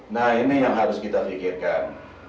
nah ini yang harus kita pikirkan